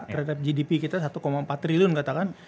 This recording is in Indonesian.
kereta gdp kita satu empat triliun katakan